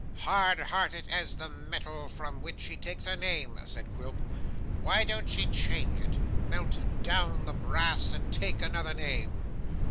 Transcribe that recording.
'Hard hearted as the metal from which she takes her name,' said Quilp. 'Why don't she change it melt down the brass, and take another name?